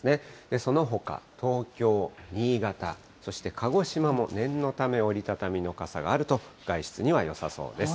そのほか東京、新潟、そして鹿児島も、念のため折り畳みの傘があると、外出にはよさそうです。